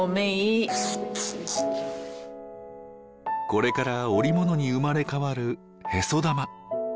これから織物に生まれ変わるへそ玉。